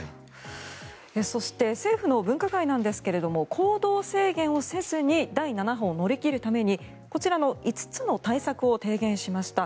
そして政府の分科会ですが行動制限をせずに第７波を乗り切るためにこちらの５つの対策を提言しました。